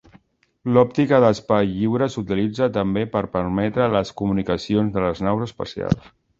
L'òptica d'espai lliure s'utilitza també per permetre les comunicacions de les naus espacials.